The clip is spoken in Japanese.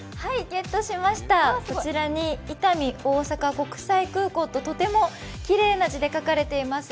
ゲットしました、こちらに「伊丹・大阪国際空港」ととてもきれいな字で書かれています。